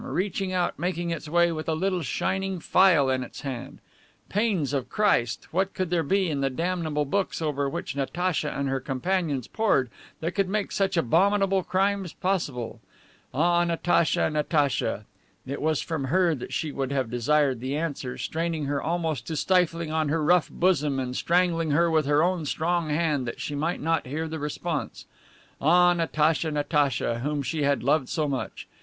reaching out, making its way, with a little shining phial in its hand. Pains of Christ! What could there be in the damnable books over which Natacha and her companions pored that could make such abominable crimes possible? Ah, Natacha, Natacha! it was from her that she would have desired the answer, straining her almost to stifling on her rough bosom and strangling her with her own strong hand that she might not hear the response. Ah, Natacha, Natacha, whom she had loved so much!